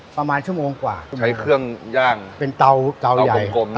ประมาณชั่วโมงกว่าใช้เครื่องย่างเป็นเตาเตาย่างกลมนะ